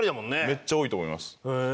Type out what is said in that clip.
めっちゃ多いと思います。